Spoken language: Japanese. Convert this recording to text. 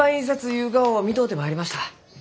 ゆうがを見とうて参りました。